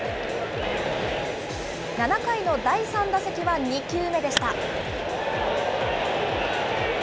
７回の第３打席は２球目でした。